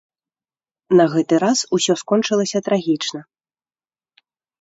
На гэты раз усё скончылася трагічна.